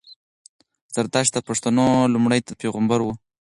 زردښت د پښتنو لومړی پېغمبر وو